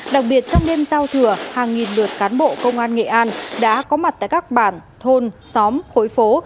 đặc biệt trong đêm giao thừa hàng nghìn lượt cán bộ công an nghệ an đã có mặt tại các bản thôn xóm khối phố